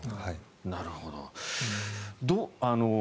なるほど。